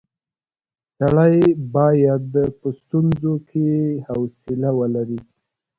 سړی باید په ستونزو کې حوصله ولري.